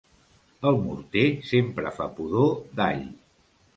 El morter sempre fa pudor d'all.